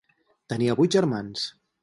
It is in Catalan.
Tenia vuit germans.